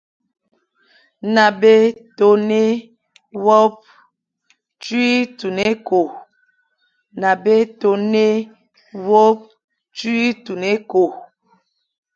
Nabé, tôné, wôp, tsṽi, tun ékô,